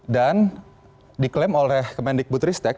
dan diklaim oleh kemendikbud ristek